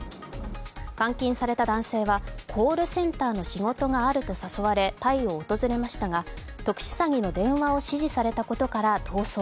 監禁された男性はコールセンターの仕事があると誘われタイを訪れましたが、特殊詐欺の電話を指示されたことから逃走。